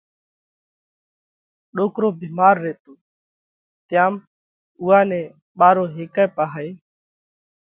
ڏوڪرو ڀيمار ريتو تيام اُوئا نئہ ٻارو هيڪئہ پاهئہ